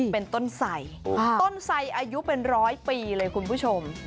เป็นต้นไสต้นไสอายุเป็นร้อยปีเลยคุณผู้ชม